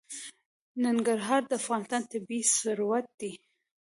ننګرهار د افغانستان طبعي ثروت دی.